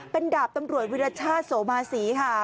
เป็นดาบตำรวจวิรัชชาธิ์สวบาษีฮะ